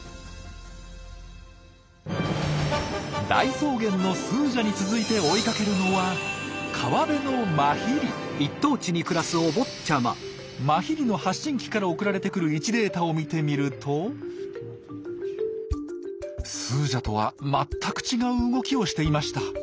大草原のスージャに続いて追いかけるのはマヒリの発信機から送られてくる位置データを見てみるとスージャとは全く違う動きをしていました。